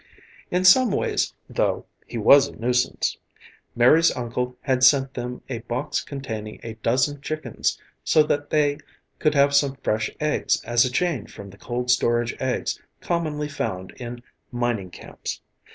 In some ways, though, he was a nuisance. Mary's uncle had sent them a box containing a dozen chickens so that they could have some fresh eggs as a change from the cold storage eggs commonly found in mining camps.